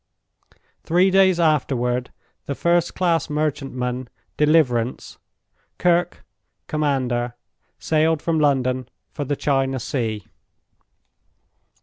Three days afterward the first class merchantman Deliverance, Kirke, commander, sailed from London for the China Sea.